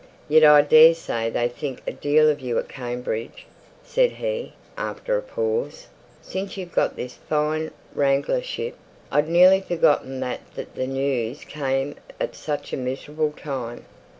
Yet, I daresay, they think a deal of you at Cambridge," said he, after a pause, "since you've got this fine wranglership; I'd nearly forgotten that the news came at such a miserable time."